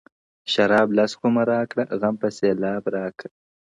شراب لس خُمه راکړه غم په سېلاب راکه